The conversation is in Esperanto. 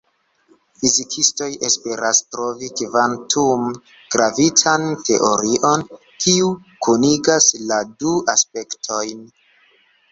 Fizikistoj esperas trovi kvantum-gravitan teorion, kiu kunigas la du aspektojn.